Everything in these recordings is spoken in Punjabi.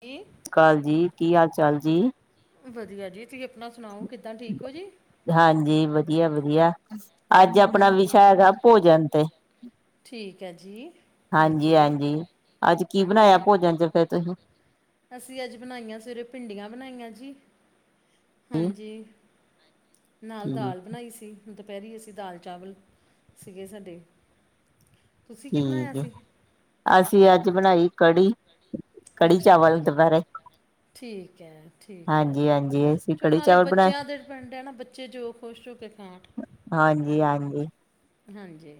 ਕੀ ਸਤਿ ਸ਼ੀ ਅਕਾਲ ਜੀ। ਕੀ ਹਾਲ -ਚਾਲ ਜੀ ਵਧੀਆ ਜੀ, ਤੁਸੀਂ ਆਪਣਾ ਸੁਣਾਓ। ਕਿੱਦਾਂ ਠੀਕ ਹੋ ਜੀ? ਹਾਂਜੀ। ਵਧੀਆ-ਵਧੀਆ ਅੱਜ ਆਪਣਾ ਹਾਂਜੀ ਵਿਸ਼ਾ ਹੈਗਾ, ਭੋਜਨ ਤੇ ਠੀਕ ਹੈ ਜੀ ਹਾਂਜੀ -ਹਾਂਜੀ, ਅੱਜ ਕੀ ਬਣਾਇਆ ਹਾਂਜੀ ਭੋਜਨ ਚ, ਫਿਰ ਤੁਸੀਂ? ਅਸੀਂ ਅੱਜ ਬਣਾਈਆਂ ਸਵੇਰੇ ਭਿੰਡੀਆਂ ਬਣਾਈਆਂ ਜੀ। ਹਾਂਜੀ, ਨਾਲ ਠੀਕ ਦਾਲ ਬਣਾਈ ਸੀ। ਹੁਣ ਦੁਪਹਿਰੀ ਅਸੀਂ ਦਾਲ ਚਾਵਲ ਸੀਗੇ ਸਾਡੇ। ਤੁਸੀਂ ਕੀ ਬਣਾਇਆ ਠੀਕ ਹੈ। ਸੀ ਅਸੀਂ ਅੱਜ ਬਣਾਈ ਕੜੀ- ਕੜੀ, ਅੱਛਾ ਚਾਵਲ ਜੀ ਦੁਪਹਿਰੇ। ਠੀਕ ਹੈ -ਠੀਕ ਹਾਂਜੀ ਹੈ। ਹਾਂਜੀ ਅਸੀਂ ਸੋ ਕੜੀ ਨਾਲੇ ਚਾਵਲ ਬਣਾਏ ਬੱਚਿਆਂ ਦੇ ਡਿਪੈਂਡ ਹੈ। ਨਾ ਬੱਚੇ ਜੋ ਖੁਸ਼ ਹੋ ਕੇ ਖਾਣ। ਹਾਂਜੀ- ਹਾਂਜੀ ਹਾਂਜੀ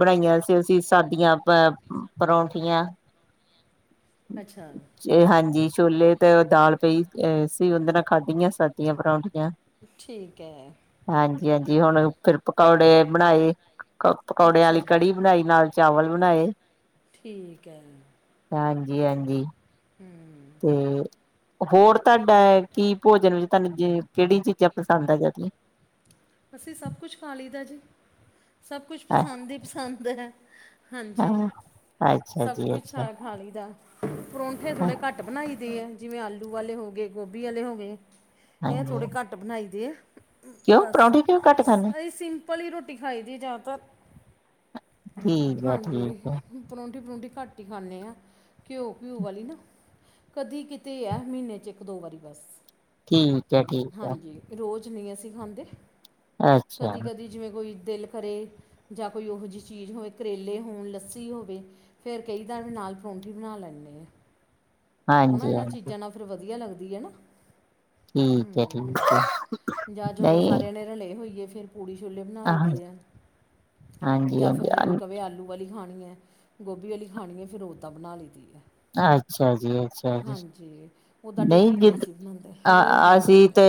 ਬਣਾਈਆਂ ਸੀ। ਅਸੀਂ ਸਾਦੀਆਂ ਅ ਪਰੌਂਠੀਆਂ ਅੱਛਾ ਹਾਂਜੀ, ਛੋਲੇ ਤੇ ਦਾਲ ਪਈ ਅ ਸੀ। ਉਹਦੇ ਨਾਲ ਖਾਧੀਆਂ ਸਾਦੀਆਂ ਪਰੌਂਠੀਆਂ। ਠੀਕ ਹੈ। ਹਾਂਜੀ- ਹਾਂਜੀ, ਹੁਣ ਫਿਰ ਪਕੌੜੇ ਬਣਾਏ, ਪਕੌੜੇ ਵਾਲੀ ਅੱਛਾ ਜੀ। ਕੜੀ ਬਣਾਈ ਨਾਲ। ਚਾਵਲ ਬਣਾਏ। ਠੀਕ ਐ। ਹਾਂਜੀ ਹਾਂਜੀ। ਹੂੰ। ਤੇ ਹੋਰ ਤਾਡਾ ਕੀ ਭੋਜਨ ਵਿੱਚ ਤਾਨੂੰ ਜੇ ਕੇੜੀ ਚੀਜ਼ਾਂ ਪਸੰਦ ਐ ਜੈਦੀਆ? ਅਸੀਂ ਸਭ ਕੁਛ ਖਾ ਲਈਦਾ ਜੀ। ਸਭ ਕੁਛ ਪਸੰਦ ਹੀ ਪਸੰਦ ਹੈ। ਹਾਂਜੀ, ਅੱਛਾ ਸਭ ਜੀ ਕੁਛ ਅੱਛਾ ਆ ਖਾ ਲਈ ਦਾ। ਪਰੌਂਠੇ ਥੋੜੇ ਘੱਟ ਬਣਾਈ ਦੇ ਐ, ਜਿਵੇਂ ਆਲੂ ਵਾਲੇ ਹੋ ਗੇ ਗੋਭੀ ਅਲੇ ਹੋ ਗੇ। ਐਹ ਹਾਂਜੀ ਥੋੜੇ ਘੱਟ ਬਣਾਈ ਦੇ ਐ ਕਿਉਂ ਬਸ। ਪਰੌਂਠੇ ਕਿਉਂ ਘੱਟ ਖਾਂਦੇ ਉਹੀ ਸਿੰਪਲ ਹੀ ਰੋਟੀ ਖਾਈ ਦੀ ਏ ਜਿਆਦਾਤਰ। ਠੀਕ ਆ ਠੀਕ। ਗੇ, ਹੈ ਪਰੌਂਠੀ-ਪਰੁੰਠੀ ਘੱਟ ਹੀ ਖਾਂਦੇ ਆਂ, ਘਿਓ-ਘਿਊ ਵਾਲੀ ਨਾ। ਕਦੀ ਕਿਤੇ ਐ। ਮੀਨੇ 'ਚ ਇੱਕ-ਦੋ ਵਾਰੀ ਬਸ। ਠੀਕ ਹੈ ਠੀਕ ਹੈ। ਹਾਂਜੀ ਰੋਜ਼ ਨਹੀਂ ਅਸੀਂ ਖਾਂਦੇ, ਅੱਛਾ ਕਦੀ ਕਦੀ ਜਿਵੇਂ ਕੋਈ ਦਿਲ ਕਰੇ। ਜਾਂ ਕੋਈ ਔਹੋ ਜੀ ਚੀਜ਼ ਹੋਏ, ਕਰੇਲੇ ਹੋਣ, ਲੱਸੀ ਹੋਵੇ। ਫੇਰ ਕਈ ਦੈ ਓਦੇ ਨਾਲ ਪਰੌਂਠੀ ਬਣਾ ਲੈਂਨੇ ਆਂ। ਹਨਾ ਹਾਂਜੀ ਏਨਾਂ ਹਾਂਜੀ ਚੀਜ਼ਾਂ ਨਾਲ ਫਿਰ ਵਧੀਆ ਲੱਗਦੀ ਐ ਨਾ? ਠੀਕ ਹੈ ਠੀਕ ਹੂੰ, ਹੈ ਜਾਂ ਜਦੋਂ ਨਹੀਂ ਸਾਰਿਆਂ ਨੇ ਰਲੇ ਹੋਈਏ ਫੇਰ ਪੁੜੀ ਛੋਲੇ ਬਣਾ ਲਈ ਦੇ ਐ, ਹਾਂਜੀ ਜਾ ਫਿਰ ਜੇ ਕੋਈ ਹਾਂਜੀ ਕਵੇ ਆਲੂ ਵਾਲੀ ਖਾਣੀ ਐ, ਗੋਭੀ ਵਾਲੀ ਖਾਣੀ ਐਂ, ਫਿਰ ਓਦਾਂ ਬਣਾ ਲਈ ਦੀ ਐ। ਅੱਛਾ ਜੀ, ਅਛ [unintelligible] ਉੱਦਾਂ ਨਹੀਂ ਡੇਲੀ ਜਿੱਦ ਅਸੀਂ ਬਣਾਉਂਦੇ ਆ ਰੋਜ਼ ਨਹੀਂ ਆਸੀਂ ਬਣਾਉਂਦੇ ਤੇ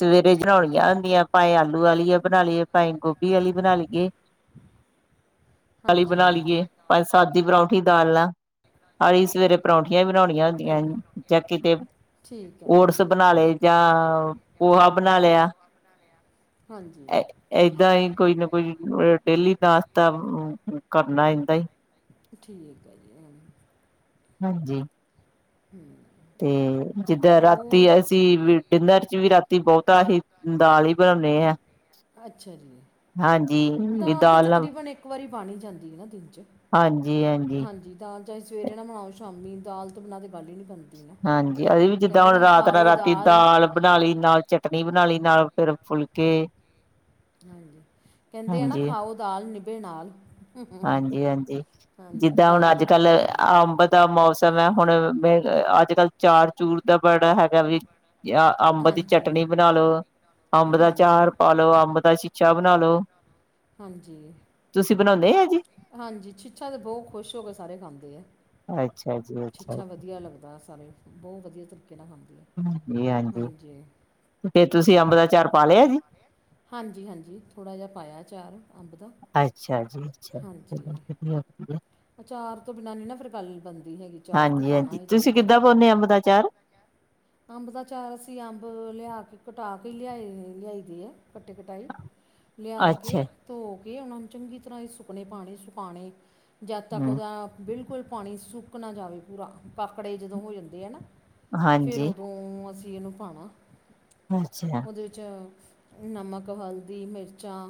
ਸਵੇਰੇ ਬਣਾਓਣੀਆਂ ਹੁੰਦੀਆਂ ਭਾਂਏ ਆਲੂ ਵਾਲੀਆ ਬਣਾ ਲੀਏ ਭਾਂਏ ਗੋਭ ਭੀ ਅਲੀ ਬਣਾ ਲਈਏ, ਵਾਲੀ ਬਣਾ ਹਾਂਜੀ ਲਈਏ। ਪਾਏ ਸਾਦੀ ਪਰੌਂਠੀ ਦਾਲ ਨਾਲ, ਅਹੀ ਸਵੇਰੇ ਪਰੌਂਠੀਆਂ ਵੀ ਬਣੋਣੀਆਂ ਹੁੰਦੀਐ, ਜਾਂ ਕਿਤੇ ਠੀਕ ਹੈ ਜੀ ਓਟਸ ਬਣਾ ਲਏ ਠੀਕ ਹੈ। ਜਾਂ ਪੋਹਾ ਬਨਾ ਲਿਆ। ਹਾਂਜੀ। ਏਦਾਂ ਹੀ ਕੋਈ ਨਾ ਕੋਈ ਡੇਲੀ ਨਾਸ਼ਤਾ ਕਰਨਾ ਇੰਦਾ ਈ। ਠੀਕ ਆ ਜੀ। ਹਾਂਜੀ। ਹੂੰ। ਤੇ, ਜਿੱਦਾਂ ਰਾਤੀ ਅਸੀ, ਵੀ ਡਿਨਰ ਚ ਵੀ ਰਾਤੀ ਬੌਤਾ ਅਹੀ ਦਾਲ ਹੀ ਬਣਾਣੇ ਆਂ, ਹਾਂ। ਅੱਛਾ ਜੀ ਹਾਂਜੀ, ਵੀ ਤਾਂ ਦਾਲ ਨਾਲ ਤਕਰੀਬਨ ਇੱਕ ਵਾਰੀ ਬਾਣ ਈ ਜਾਂਦੀ ਏਨਾ ਦਿਨ ਚ, ਹਾਂਜੀ ਦਾ ਚਾਹੇ ਸਵੇਰੇ ਨਾ ਬਣਾਓ ਸ਼ਾਮੀ, ਦਾਲ ਤੋਂ ਬਿਣਾ ਤੇ ਗੱਲ ਹੀ ਨੀ ਬਨ ਹਾਂਜੀ, ਅਸੀ ਵੀ ਜਿੱਦਾਂ ਹੁਣ ਰਾਤ ਨਾ ਰਾਤੀ ਦਾਲ ਬਣਾ ਲੀ ਨਾਲ ਚਟ ਚਤਨੀ ਬਨਾ ਲੀ ਨਾਲ ਫਿਰ ਫੁਲਕੇ। ਹਾਂਜੀ, ਕੈੰਦੇ ਐ ਨਾ ਹਾਂਜੀ ਖਾਓ ਦਾਲ ਨਿਭੇ ਨਾਲ। ਹਾਂਜੀ ਹਾਂਜੀ, ਹਾਂਜੀ ਜਿੱਦਾਂ ਹੁਣ ਦਾਲ ਤਾਂ ਬਹੁਤ ਅੱਜ-ਕੱਲ ਜ਼ਰੂਰੀ ਹੈ ਅੰਬ ਦਾ ਮੌਸਮ ਹੈ ਹੁਣ ਮੇ ਅੱਜ-ਕੱਲ੍ਹ ਚਾਰ ਚੂਰ ਦਾ ਬੜਾ ਹੈਗਾ ਵੀ ਅ ਅੰਬ ਦੀ ਹਾਂਜੀ ਚਟਨੀ ਬਣਾ ਲੋ। ਹਾਂਜੀ ਅੰਬ ਦਾ ਚਾਰ ਪਾਲੋ, ਅੰਬ ਦਾ ਸ਼ੀਸ਼ਾ ਬਣਾ ਲੋ। ਹਾਂਜੀ, ਤੁਸੀਂ ਬਣਾਉਂਦੇ ਆ ਜੀ ਹਾਂਜੀ ਛਿੱਛਾ ਤਾਂ ਬੌਹ ਖੁਸ਼ ਹੋ ਕੇ ਸਾਰੇ ਖਾਂਦੇ ਐ। ਅੱਛਾ ਜੀ ਅੱਛਾ ਛਿੱਛਾ ਵਧੀਆ ਲੱਗਦਾ ਸਾਰੇ ਬੌਹ ਵਧੀਆ ਤਰੀਕੇ ਨਾਲ ਖਾਂਦੇ ਐ। ਹ ਮੇ ਹਾਂਜੀ, ਫੇਰ ਤੁਸੀਂ ਅੰਬ ਦਾ ਚਾਰ ਪਾ ਲਿਆ ਜੀ? ਹਾਂਜੀ ਹਾਂਜੀ, ਥੋੜ੍ਹਾ ਜਾ ਪਾਯਾ ਚਾਰ। ਅੱਛਾ ਜੀ ਅੱਛਾ, ਚਲੋ ਹਾਂਜੀ ਵਧੀਆ ਹੂੰਦੀ ਐ। ਅਚਾਰ ਤੋਂ ਬਿਨਾਂ ਨੀ ਨਾ ਫਿਰ ਗੱਲ ਬਨਦੀ ਹੈਗੀ ਚਾਰ ਤੇ ਹਾਂਜੀ ਪਾਣਾ ਹਾਂਜੀ ਹੀ ਤੁਸੀਂ ਚਾਈਦੈ। ਕਿੱਦਾਂ ਪਾਉਂਦੇ ਅੰਬ ਦਾ ਚਾਰ ਅੰਬ ਦਾ ਚਾਰ ਅਸੀਂ ਅੰਬ ਲਿਆ ਕੇ ਕਟਾ ਕੇ ਲਿਆਏ ਲਿਆਈ ਦੇ ਐ। ਕੱਟੇ ਕਟਾਈ, ਲਿਆ ਕੇ ਅੱਛਾ ਧੋ ਕੇ ਉਹਨੂਂ ਨੂੰ ਚੰਗੀ ਤਰ੍ਹਾਂ ਹੀ ਸੁੱਕਣੇ ਪਾਣੀ ਸੁਕਾਉਣੇ, ਜਦ ਤੱਕ ਹੂੰ, ਉਹਦਾ ਬਿਲਕੁਲ ਪਾਣੀ ਸੁੱਕ ਨਾ ਜਾਵੇ ਪੂਰਾ, ਕਾੱਕੜੇ ਜਦੋਂ ਹੋ ਜਾਂਦੇ ਆ ਨਾ ਫਿਰ ਹਾਂਜੀ, ਉਦੋਂ ਅਸੀਂ ਜੀ ਨੂੰ ਪਾਉਣਾ। [unintelligible] ਅੱਛਾ। ਅਚ, ਨਮਕ, ਹਲਦੀ, ਮਿਰਚਾਂ।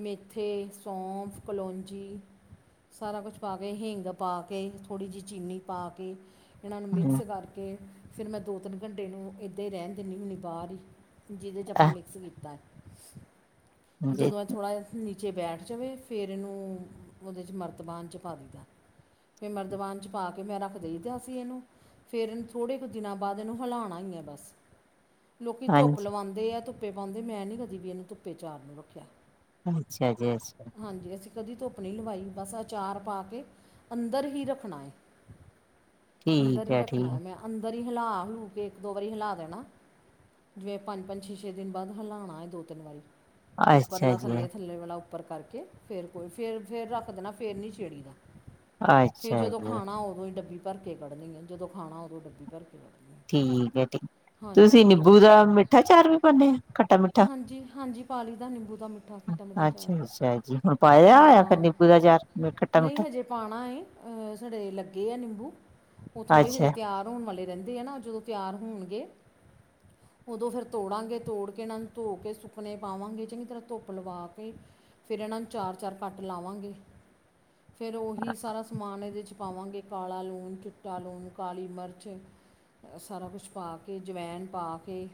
ਮੇਥੇ, ਸੌਂਫ, ਕਲੋਂਜੀ। ਸਾਰਾ ਕੁਛ ਪਾ ਕੇ ਹਿੰਂਗ ਪਾ ਕੇ ਥੋੜ੍ਹੀ ਜਿਹੀ ਚੀਨੀ ਪਾ ਕੇ ਇਹਨਾਂ ਨੂੰ ਹੂੰ, ਮਿਕਸ ਕਰਕੇ, ਫਿਰ ਮੈਂ ਦੋ ਤਿੰਨ ਘੰਟੇ ਨੂੰ ਇੱਦਾਂ ਹੀ ਰਹਿਣ ਦਿੰਨੀ ਹੁੰਨੀ ਬਾਹਰ ਹੀ। ਜਿਹਦੇ 'ਚ ਆਪਾਂ ਮਿਕਸ ਕੀਤਾ ਏ, ਹਾਂਜੀ। ਜਦੋਂ ਮੈਂ ਥੋੜ੍ਹਾ ਜਿਹਾ ਨੀਚੇ ਬੈਠ ਜਵੇ ਫਿਰ ਇਹਨੂੰ, ਉਹਦੇ 'ਚ ਮਰਤਬਾਨ 'ਚ ਪਾ ਦਿਦੈ। ਫਿਰ ਮਰਦਵਾਨ 'ਚ ਪਾ ਕੇ ਮੈਂ ਰੱਖ ਦੇਈ ਦਾ ਸੀਂ ਇਹਨੂੰ। ਫਿਰ ਇਹਨੂੰ ਥੋੜ੍ਹੇ ਕੁ ਦਿਨਾਂ ਬਾਅਦ ਇਹਨੂੰ ਹਿਲਾਉਣਾ ਹੀ ਹੈ ਬਸ। ਲੋਕੀ ਧੁੱਪ ਹਾਂਜੀ, ਲਵਾਂਦੇ ਐ, ਧੁੱਪੇ ਪਾਂਦੇ ਮੈਂ ਨੀ ਕਦੇ ਵੀ ਇਹਨੂੰ ਧੁੱਪੇ ਚਾਰ ਨੂੰ ਰੱਖਿਆ। ਅੱਛਾ ਜੀ ਅੱਛਾ। ਹਾਂਜੀ, ਅਸੀਂ ਕਦੀ ਧੁੱਪ ਨੀ ਲਵਾਈ ਬਸ ਅ ਚਾਰ ਪਾ ਕੇ ਅੰਦਰ ਹੀ ਰੱਖਣਾ ਏ, ਅੰਦਰ ਠੀਕ ਈ ਐ ਰੱਖਣਾ ਠੀਕ, ਮੈਂ ਅੰਦਰ ਹੀ ਹਿਲਾ ਹਲੂ ਕੇ ਇੱਕ ਦੋ ਵਾਰੀ ਹਿਲਾ ਦੇਣਾ। ਜਿਵੇਂ ਪੰਜ-ਪੰਜ, ਛੇ-ਛੇ ਦਿਨ ਬਾਦ ਹਿਲਾਣਾ ਏ ਦੋ, ਤਿੰਨ ਵਾਰੀ। ਉੱਪਰ ਅੱਛਾ ਲਾ ਜੀ। ਥੱਲੇ, ਥੱਲੇ ਵਾਲਾ ਉੱਪਰ ਕਰਕੇ ਫੇਰ ਕੋਈ ਫੇਰ, ਫੇਰ ਰੱਖ ਦੇਣਾ। ਫੇਰ ਨੀ ਛੇੜੀ ਦਾ, ਫਿਰ ਅੱਛਾ ਜਦੋਂ ਜੀ, ਖਾਣਾ ਉਦੋਂ ਈ ਡੱਬੀ ਭਰ ਕੇ ਕੱਢਣੀ ਐ, ਜਦੋਂ ਖਾਣਾ ਉਦੋਂ ਡੱਬ ਭਰ ਕੇ ਕੱਢਣੀ। ਹੈ ਠੀਕ ਐ ਠੀਕ, ਤੁਸੀਂ ਹਾਂਜੀ ਨਿੰਬੂ ਦਾ ਮਿੱਠਾ ਚਾਰ ਵੀ ਪਾਣੇ ਆ। ਖੱਟਾ ਮਿੱਠਾ? ਹਾਂਜੀ, ਹਾਂਜੀ, ਪਾਲੀ ਦਾ ਨਿੰਬੂ ਦਾ ਮਿੱਠਾ, ਖਟਾ-ਮਿੱਠਾ ਚਾਰ। [unintelligible] ਮੈਂ ਪਾਇਆ। ਹੋਇਆ ਫਿਰ ਹਾਂ, ਨਿੰਬੂ ਦਾ ਚਾਰ, ਖੱਟਾ ਨਈ ਮਿੱਠਾ? ਹਜੇ ਪਾਣਾ ਏ, ਅ ਸਾਡੇ ਲੱਗੇ ਆ ਨਿੰਬੂ। ਉਹ ਥੋੜੇ ਹਜੇ ਅੱਛਾ, ਤਿਆਰ ਹੋਣ ਵਾਲੇ ਰਹਿੰਦੇ ਆ ਨਾ, ਜਦੋਂ ਤਿਆਰ ਹੋਣਗੇ ਉਦੋਂ ਫਿਰ ਤੋੜਾਂਗੇ ਤੋੜ ਕੇ ਕਿ ਇਹਨਾਂ ਨੂੰ ਧੋ ਕੇ ਸੁੱਕਨੇ ਪਾਵਾਂਗੇ, ਚੰਗੀ ਤਰਾ ਧੁੱਪ ਲਵਾ ਕੇ ਫਿਰ ਇਹਨਾਂ ਨੂੰ ਚਾਰ-ਚਾਰ ਕੱਟ ਲਾਵਾਂਗੇ, ਫਿਰ ਉਹੀ ਸਾਰਾ ਸਮਾਨ ਇਹਦੇ ਚ ਪਾਵਾਂਗੇ, ਕਾਲਾ ਲੂਣ, ਚਿੱਟਾ ਲੂਣ, ਕਾਲੀ ਮਿਰਚ ਅ, ਸਾਰਾ ਕੁਛ ਪਾ ਕੇ, ਜਵੈਨ ਪਾ ਕੇ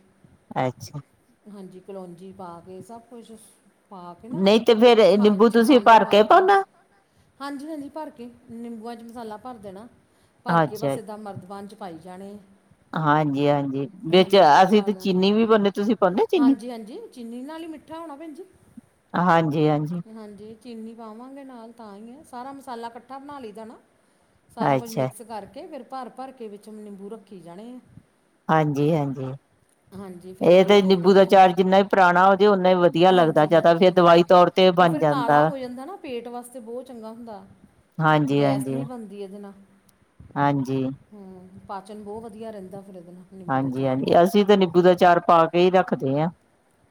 ਅੱਛਾ‌। ਹਾਂਜੀ, ਕਲੋਂਜੀ ਪਾ ਕੇ, ਸਬ ਕੁਛ ਪਾ ਕੇ ਨਾ, ਨਈ ਤੇ ਫੇਰ ਖ ਨਿੰਬੂ ਤੁਸੀਂ ਖੰਡ ਭਰ ਪਾ ਕੇ ਪਾਉਣਾ? ਹਾਂਜੀ-ਹਾਂਜੀ ਭਰ ਕੇ, ਨਿੰਬੂਆਂ ਚ ਮਸਾਲਾ ਭਰ ਦੇਣਾ, ਭਰ ਕੇ ਅੱਛਾ, ਬਸ ਏਦਾਂ ਮਰਦ ਪਾਣ ਚ ਪਾਈ ਜਾਣੇ ਹਾਂਜੀ-ਹਾਂਜੀ, ਵਿੱਚ ਅਸੀਂ ਤੇ ਚੀਨੀ ਵੀ ਪਾੜੇ, ਤੁਸੀਂ ਪਾਨੇ ਚੀਨੀ? ਹਾਂਜੀ-ਹਾਂਜੀ, ਚੀਨੀ ਨਾਲ ਈ ਮਿੱਠਾ ਹੋਣਾ ਭੈਣਜੀ, ਹਾਂਜੀ-ਹਾਂਜੀ, ਹਾਂਜੀ। ਚੀਨੀ ਪਾਵਾਂਗੇ ਨਾਲ ਤਾਂ ਈ ਐ, ਸਾਰਾ ਮਸਾਲਾ ਕੱਠਾ ਬਣਾ ਲਈਦਾ ਨਾ। ਸਾਰਾ ਕੁਝ ਅੱਛਾ, ਮਿਕਸ ਕਰਕੇ ਫਿਰ ਭਰ-ਭਰ ਕੇ ਵਿੱਚ ਨਿੰਬੂ ਰੱਖੀ ਜਾਣੇ ਆ। ਹਾਂਜੀ-ਹਾਂਜੀ, ਹਾਂਜੀ ਫਿਰ ਇਹ ਦੋ ਤੇ ਤਿੰਨ ਨਿੰ ਬੂ ਦਿਨ ਦਾ ਚਾਰ ਜਿੰਨਾ ਈ ਪੁਰਾਣਾ ਹੋ ਜੇ ਓਨਾ ਹੀ ਵਦੀਆ ਲੱਗਦਾ ਹਾਂਜੀ ਯਾ ਤਾ ਹਾਂਜੀ ਫੇਰ ਦਵਾਈ ਹਾਂਜੀ ਤੌਰ ਤੇ ਉਹ ਬਣ ਫਿਰ ਜਾਂਦਾ। ਕਾਲਾ ਹੋ ਨਾ ਪੇਟ ਵਾਸਤੇ ਬੌਤ ਚੰਗਾ ਹੁੰਦਾ। ਹਾਂਜੀ। ਗੈਸ ਹਾਂਜੀ ਨੀ ਬਣਦੀ ਇਹਦੇ ਨਾਲ। ਹਾਂਜੀ। ਹੂੰ, ਪਾਚਨ ਬੌਤ ਵਦੀਆ ਰਹਿੰਦਾ, ਫਿਰ ਇਹਦੇ ਨਾਲ। ਨਿੰਬੂ ਦੇ ਅਚਾਰ ਹਾਂਜੀ-ਹਾਂਜੀ, ਨਾਲ ਅਸੀਂ ਤਾਂ ਨਿੰਬੂ ਦਾ ਚਾਰ ਪਾ ਕੇ ਈ ਰੱਖਦੇ ਆ।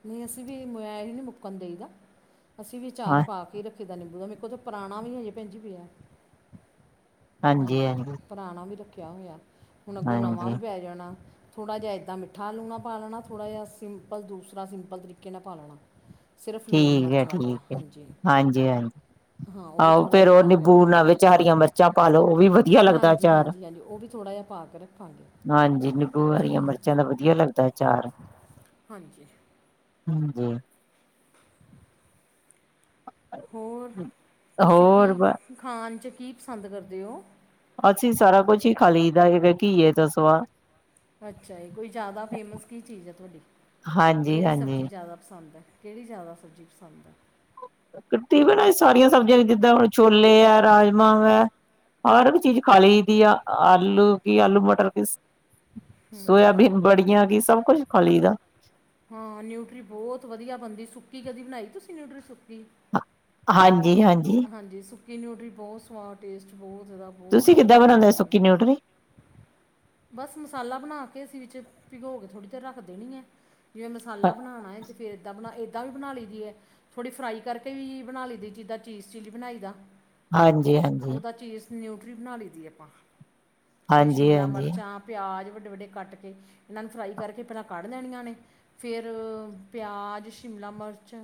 ਨਈ ਅਸੀਂ ਵੀ ਮਇਆ ਈ ਨੀ ਮੁੱਕਣ ਦੇਈਦਾ। ਅਸੀਂ ਵੀ ਚਾਰ ਹਾਂ ਪਾ ਕੇ ਈ ਰੱਖੀ ਦਾ ਨਿੰਬੂ ਦਾ, ਮੇਰੇ ਕੋਲ ਤਾਂ ਪੁਰਾਣਾ ਵੀ ਹਜੇ ਭੈਣਜੀ ਪਿਆ। ਹਾਂਜੀ, ਪੁਰਾਣਾ ਵੀ ਰੱਖਿਆ ਹੋਇਆ, ਹੁਣ ਅੱਗੋਂ ਨਵਾਂ ਹਾਂਜੀ ਵੀ ਪੈ ਜਾਣਾ। ਥੋੜਾ ਜਿਆ ਇੱਦਾਂ ਮਿੱਠਾ ਲੂਨਾ ਪਾ ਲੈਣਾ, ਥੋੜਾ ਜਿਆ ਸਿੰਪਲ ਦੂਸਰਾ ਸਿੰਪਲ ਤਰੀਕੇ ਨਾਲ ਪਾ ਲੈਣਾ। ਸਿਰਫ਼ ਲੂਣ ਠੀਕ ਹੈ ਮਰਚ ਵਾਲਾ, ਠੀਕ ਹੈ ਹਾਂਜੀ। ਹਾਂਜੀ ਹਾਂਜੀ ਹਾਂ, ਉਹ ਵੀ ਆਹੋ ਥੋੜਾ ਜਿਆ ਫੇਰ ਉਹ ਬਣਾ ਕੇ ਰੱਖ ਨਿੰਬੂ ਲੈਣਾ, ਨਾਲ ਵਿੱਚ ਹਰੀਆਂ ਮਿਰਚਾਂ ਪਾ ਲਓ ਉਹ ਵੀ ਵਧੀਆ ਲੱਗਦਾ ਹਾਂਜੀ, ਅਚਾਰ ਹਾਂਜੀ, ਹਾਂਜੀ ਉਹ ਵੀ ਥੋੜਾ ਜਿਆ ਪਾ ਕੇ ਰੱਖਾਂਗੇ। ਹਾਂਜੀ, ਨਿੰਬੂ ਵਾਲੀਆ ਮਿਰਚਾਂ ਦਾ ਵਦੀਆ ਲੱਗਦਾ ਐ ਅਚਾਰ। ਹਾਂਜੀ। ਹਾਂਜੀ। ਹੋਰ ਤੁਸੀਂ ਹੋਰ ਕੀ ਬ ਖਾਣ ਚ ਕੀ ਪਸੰਦ ਕਰਦੇ ਓ? ਅਸੀਂ ਸਾਰਾ ਕੁਛ ਹੀ ਖਾਲੀ ਦਾ ਹੈਗਾ ਕੀਏ ਤੋ ਸਿਵਾ ਅੱਛਾ ਜੀ, ਕੋਈ ਜ਼ਿਆਦਾ ਫੇਮਸ ਕੀ ਚੀਜ਼ ਏ ਤੁਹਾਡੀ, ਹਾਂਜੀ ਕਿਹੜੀ ਹਾਂਜੀ ਸਬਜ਼ੀ ਜ਼ਿਆਦਾ ਪਸੰਦ ਐ। ਕਿਹੜੀ ਜ਼ਿਆਦਾ ਸਬਜ਼ੀ ਪਸੰਦ ਆ। ਕਟੀ ਵੀ ਨਾ ਸਾਰੀਆਂ ਸਬਜ਼ੀਆਂ ਜਿੱਦਾਂ ਹੁਣ ਛੋਲੇ ਐ, ਰਾਜਮਾਂ ਵੇ ਹਰ ਇੱਕ ਚੀਜ਼ ਖਾਲ ਲਈ ਦੀ ਆ ਆਲੂ ਕੀ, ਆਲੂ ਮਟਰ ਕੀ ਸੋਇਆਬੀਨ ਬੜੀਆਂ ਕੀ ਸਭ ਕੁਝ ਖਾਂ ਲਈ ਦਾ। ਹਾਂ, ਨਿਊਟਰੀ ਬੌਤ ਵਦੀਆਂ ਬਣਦੀ, ਸੁੱਕੀ ਕਦੀ ਬਣਾਈ ਤੁਸੀਂ ਨਿਊਟਰੀ ਸੁੱਕੀ ਹਾਂਜੀ-ਹਾਂਜੀ। ਹਾਂਜੀ, ਸੁੱਕੀ ਨਿਊਟਰੀ ਬੌਤ ਸਵਾਦ ਟੇਸਟ ਬੌਤ ਜੈਦਾ ਤੁਸੀਂ ਕਿੱਦਾਂ ਬਣਾਉਂਦੇ ਸੁੱਕੀ ਨਿਊਟਰੀ? ਬਸ ਮਸਾਲਾ ਬਣਾ ਕੇ ਅਸੀਂ ਵਿੱਚ ਭਿਗੋ ਕੇ ਥੋੜ੍ਹੀ ਦੇਰ ਰੱਖ ਦੇਣੀ ਐ। ਜਿਵੇਂ ਮਸਾਲਾ ਬਣਾਉਣਾ ਏ ਤੇ ਫਿਰ ਇੱਦਾਂ ਬਣਾ ਏਦਾਂ ਵੀ ਬਣਾ ਲਈ ਦੀ ਐ, ਥੋੜ੍ਹੀ ਫਰਾਈ ਕਰਕੇ ਵੀ ਬਣਾ ਲਈ ਦੀ ਜਿੱਦਾਂ ਚੀਜ਼ ਚੀਲੀ ਬਣਾਈ ਦਾ। ਹਾਂਜੀ ਹਾਂਜੀ ਉਹਦਾ ਚੀਜ਼ ਨਿਊਟਰੀ ਬਣਾ ਲਈ ਦੀ ਆਪਾਂ, ਉਹ ਹਾਂਜੀ ਹਾਂਜੀ ਸ਼ਿਮਲਾ ਹਾਂਜੀ ਮਿਰਚਾਂ ਪਿਆਜ ਵੱਡੇ ਵੱਡੇ ਕੱਟ ਕੇ ਇਹਨਾਂ ਨੂੰ ਫਰਾਈ ਕਰਕੇ ਪਹਿਲਾਂ ਕੱਢ ਲੈਣੀਆਂ ਨੇ ਫਿਰ ਪਿਆਜ਼, ਸ਼ਿਮਲਾ ਮਿਰਚ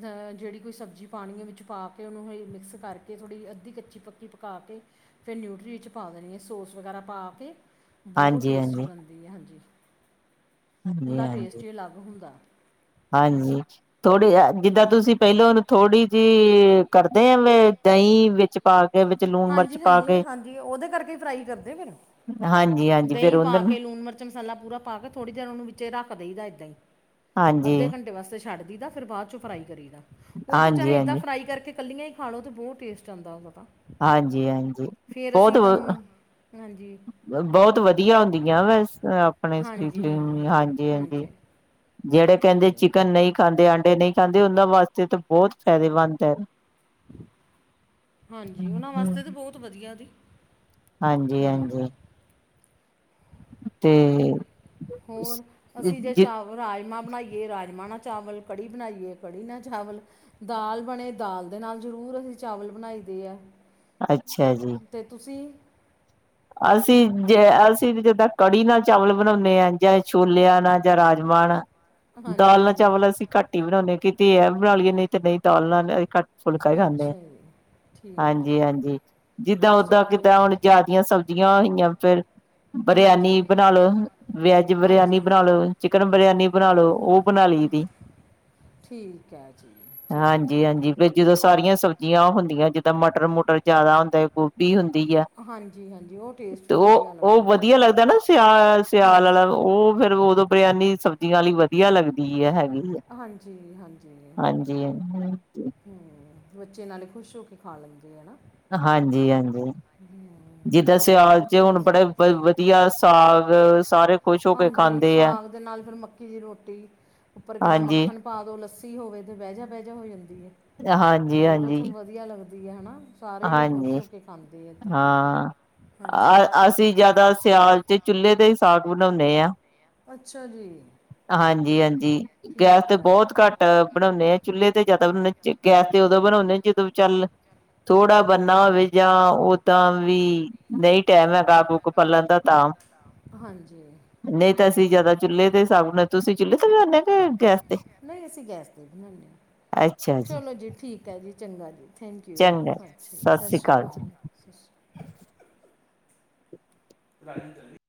ਜਿਹੜੀ ਕੋਈ ਸਬਜ਼ੀ ਪਾਣੀਆਂ ਵਿੱਚ ਪਾ ਕੇ ਉਹਨੂੰ ਇਹ ਮਿਕਸ ਕਰਕੇ ਥੋੜ੍ਹੀ ਅੱਧੀ ਕੱਚੀ ਪੱਕੀ ਪਕਾ ਕੇ ਫਿਰ ਨਿਊਟਰੀ ਵਿੱਚ ਪਾ ਦੇਣੀ ਆ, ਸੋਸ ਵਗੈਰਾ ਪਾ ਕੇ ਬਹੁਤ ਹਾਂਜੀ ਟੇਸਟੀ ਬਣਦੀ ਆ, ਹਾਂਜੀ ਹਾਂਜੀ ਹੁੰਦਾ ਟੇਸਟ ਹਾਂਜੀ ਹੀ ਅਲੱਗ ਹੁੰਦਾ। ਹਾਂਜੀ, ਥੋੜੇ ਹਮ। ਜਿੱਦਾਂ ਤੁਸੀਂ ਪਹਿਲਾਂ ਉਹਨੂੰ ਥੋੜੀ ਜਿਹੀ ਕਰਦੇ ਆ ਵੀ ਦਹੀਂ ਵਿੱਚ ਪਾ ਕੇ ਵਿਚ ਲੂਣ ਮਿਰਚ ਪਾ ਕੇ ਹਾਂਜੀ-ਹਾਂਜੀ-ਹਾਂਜੀ, ਉਹਦੇ ਕਰਕੇ ਫਰਾਈ ਕਰਦੇ ਫਿਰ ਹਾਂਜੀ ਹਾਂਜੀ ਫੇਰ ਦਹੀਂ ਉਹਦੇ ਪਾ ਨਾਲ ਕੇ ਲੂਣ ਮਿਰਚ ਮਿਰਚ ਮਸਾਲਾ ਪੂਰਾ ਪਾ ਕੇ ਥੋੜੀ ਦੇਰ ਉਹਨੂੰ ਵਿੱਚ ਰੱਖ ਦੇਈ ਦਾ ਏਦਾਂ ਹੀ ਹਾਂਜੀ ਅੱਧੇ ਘੰਟੇ ਵਾਸ ਛੱਡ ਦਾ ਫਿਰ ਬਾਅਦ ਚ ਫਰਾਈ ਕਰੀ ਦਾ ਉਹ ਤੇ ਹਾਂਜੀ ਚਾਹੇ ਏਦਾਂ ਹਾਂਜੀ ਫਰਾਈ ਕਰਕੇ ਕੱਲੀਆ। ਖਾਣੋ ਤਾਂ ਬਹੁਤ ਟੇਸਟ ਆਦਾ ਉਹਦਾ ਹਾਂਜੀ-ਹਾਂਜੀ ਫਿਰ ਅਸੀਂ ਬਹੁਤ ਇਹਦਮ ਹਾਂਜੀ। ਬਹੁਤ ਵਧੀਆ ਹੁੰਦੀਆਂ ਵੈਸ ਆਪਣੇ ਸਰੀ ਹਾਂਜੀ- ਹਾਂਜੀ। ਜਿਹੜੇ ਕਹਿੰਦੇ ਹਾਂਜੀ ਚਿਕਨ ਨਹੀਂ ਖਾਂਦੇ, ਆਂਡੇ ਨਹੀਂ ਖਾਂਦੇ, ਉਹਨਾਂ ਵਾਸਤੇ ਤਾਂ ਬਹੁਤ ਫਾਇਦੇਮੰਦ ਏ। ਹਾਂਜੀ, ਉਹਨਾਂ ਵਾਸਤੇ ਤਾਂ ਬਹੁਤ ਵਧੀਆ ਜੀ। ਹਾਂਜੀ-ਹਾਂਜੀ। ਤੇ। ਹੋਰ ਅਸੀਂ ਜੇ ਚਾਵ ਰਾਜਮਾ ਬਣਾਈਏ ਰਾਜਮਾ ਨਾਲ ਚਾਵਲ, ਕੜੀ ਬਣਾਈਏ ਕੜੀ ਨਾਲ ਚਾਵਲ। ਦਾਲ ਬਣੇ ਦਾਲ ਦੇ ਨਾਲ ਜ਼ਰੂਰ ਅਸੀਂ ਚਾਵਲ ਬਣਾਈ ਦੇ ਆ। ਅੱਛਾ ਜੀ। ਤੇ ਤੁਸੀਂ। ਅਸੀਂ ਜੇ ਅਸੀਂ ਜਿੱਦਾਂ ਕੜੀ ਨਾਲ ਚਾਵਲ ਬਣਾਉਦੇ ਹਾਂ ਜਾਂ ਛੋਲਿਆਂ ਨਾਲ ਜਾਂ ਰਾਜਮਾਂ ਨਾਲ। ਹਾਂਜੀ ਦਾਲ ਨਾਲ ਹਾਂਜੀ ਚਾਵਲ ਅਸੀਂ ਘੱਟ ਹੀ ਬਣਾਉਦੇ ਹਾਂ ਕਿਤੇ ਇਹ ਬਣਾ ਲਈਏ ਨਹੀਂ ਤੇ ਨਹੀਂ ਦਾਲ ਨਾਲ ਘੱਟ ਫੁਲਕਾ ਹੀ ਖਾਂਦੇ ਆ ਅੱਛਾ ਜੀ ਠੀਕ ਹੈ ਹਾਂਜੀ ਹਾਂਜੀ ਜੀ ਜਿੱਦਾਂ ਪਰ ਓਦਾਂ ਕਿਦ ਚਾਵਲ ਹੁਣ ਜ਼ਿਆ ਦੀਆਂ ਸਬਜ਼ੀਆਂ ਹੋਈਆਂ ਫੇਰ ਬਰਿਆਨੀ ਹਾਂਜੀ ਬਣਾ ਲੋ ਵੈਜ ਬਰਿਆਨੀ ਹਾਂਜੀ ਬਣਾ ਲੋ ਚਿਕਨ ਬਰਿਆਨੀ ਬਣਾ ਲੋ ਉਹ ਬਣਾ ਲਈ ਤ ਠੀਕ ਹੈ ਜੀ ਠੀਕ ਹੈ ਹਾਂਜੀ ਵੀ ਜੀ ਜਦੋਂ ਸਾਰੀਆਂ ਸਬਜ਼ੀਆਂ ਹੁੰਦੀਆਂ ਜਿੱਦਾਂ ਮਟਰ ਮੁਟਰ ਜਿਆਦਾ ਹੁੰਦਾ ਗੋਭੀ ਹੁੰਦੀ ਆ ਹਾਂਜੀ ਹਾਂਜੀ ਉਹ ਟੇਸਟ ਤੇ ਫਿਰ ਵਧੀਆ ਉਹ ਉਹ ਲੱਗਦਾ ਨਾ ਵਧੀਆ ਉਹਦੇ ਨਾਲ ਲੱਗਦਾ ਨਾ ਸਿਆ ਸਿਆਲ ਹਾਂਜੀ ਵਾਲਾ ਉਹ ਫੇਰ ਉਦੋਂ ਬਰਿਆਨੀ ਸਬਜ਼ੀਆਂ ਵਧੀਆ ਲੱਗਦੀ ਆ ਹੈਗੀ ਆ ਹਾਂਜੀ ਹਾਂਜੀ ਹ ਹਮ ਬੱਚੇ ਨਾਲੇ ਖੁਸ਼ ਹੋ ਕੇ ਖਾ ਲੈਂਦੇ ਹਨਾ ਹਾਂਜੀ ਹਾਂਜੀ ਹਮ ਜਿੱਦਾਂ ਸਿਆਲ 'ਚ ਹੁਣ ਬੜੇ ਵਧੀਆ ਸਾਗ ਸਾਰੇ ਖ਼ੁਸ਼ ਹੋ ਕੇ ਹਾਂਜੀ ਖਾਂਦੇ ਐ। ਸਾਗ ਦੇ ਨਾਲ ਫਿਰ ਮੱਕੀ ਦੀ ਰੋਟੀ ਉੱਪਰ ਕਹਿਣਾ ਹਾਂਜੀ, ਮੱਖਣ ਪਾ ਦੋ ਲੱਸੀ ਹੋਵੇ ਤੇ ਬਹਿ ਜਾ ਬਹਿ ਜਾ ਹੋ ਜਾਂਦੀ ਹੈ ਹਾਂਜੀ, ਬਹੁਤ ਹਾਂਜੀ, ਵਧੀਆ ਲੱਗਦੀ ਹਨਾ। ਸਾਰੇ ਹੀ ਉਹ ਖੁਸ਼ ਹਾਂਜੀ ਹੋ ਕੇ ਖਾਂਦੇ ਹੈ ਤਾਂ ਹਾਂ। ਹਾਂਜੀ ਅ ਅਸੀਂ ਜਿਆਦਾ ਸਿਆਲ 'ਚ ਚੁੱਲੇ ਤੇ ਹੀ ਸਾਗ ਬਣਾਉਦੇ ਹਾਂ। ਅੱਛਾ ਜੀ ਹਾਂਜੀ- ਹਾਂਜੀ ਗੈਸ ਠੀਕ ਤੇ ਹੈ। ਬਹੁਤ ਘੱਟ ਆ ਬਣਾਉਣੇ ਆਂ ਚੁੱਲ੍ਹੇ ਤੇ ਬਣਾਂਣੇ ਜਿਆਦਾ ਗੈਸ ਤੇ ਉਦੋਂ ਬਣਾਉਂਣੇ ਆ ਜਦੋਂ ਚੱਲ ਥੋੜਾ ਬਣਨਾ ਹੋਵੇ। ਜਾਂ ਓਦਾਂ ਵੀ ਨਹੀਂ ਟੈਮ ਹੈਗਾ [unintelligible] ਪਲਣ ਦਾ ਤਾਂ ਹਾਂਜੀ ਨਹੀਂ ਤਾਂ ਅਸੀਂ ਜਿਆਦਾ ਚੁੱਲ੍ਹੇ ਦੇ ਸਾਗ ਬਣਾਣੇ ਨਾਲ ਤੁਸੀਂ ਚੁੱਲ੍ਹੇ ਤੇ ਬਣਾਣੇ ਕਿ ਗੈਸ ਤੇ ਨਹੀਂ ਅਸੀਂ ਗੈਸ ਤੇ ਬਣਾਉਦੇ ਹਾਂ ਚਲੋ ਜੀ ਠੀਕ ਹੈ ਜੀ ਚੰਗਾ ਜੀ। ਥੈਂਕ ਯੂ ਚੰਗਾ। ਅੱਛਾ ਜੀ ਸਤਿ ਸ੍ਰੀ ਸ਼੍ਰੀ ਜੀ। ਅਕਾਲ -ਸਤਿ ਸ਼੍ਰੀ ਅਕਾਲ। [unintelligible]